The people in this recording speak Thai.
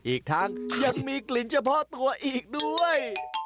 อีกทั้งยังมีกลิ่นเฉพาะตัวอีกด้วย